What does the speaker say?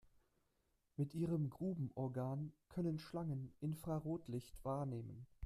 Mit ihrem Grubenorgan können Schlangen Infrarotlicht wahrnehmen.